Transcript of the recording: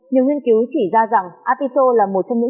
nhiều nghiên cứu chỉ ra rằng artiso là một trong những